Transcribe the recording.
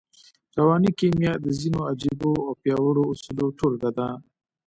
رواني کيميا د ځينو عجييو او پياوړو اصولو ټولګه ده.